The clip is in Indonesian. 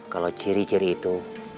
kalau ciri ciri itu